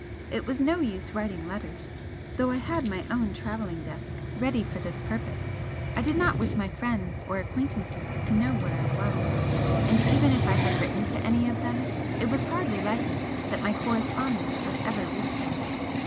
It was no use writing letters, though I had my own travelling desk ready for this purpose, I did not wish my friends or acquaintances to know where I was and even if I had written to any of them it was hardly likely that my correspondence would ever reach them.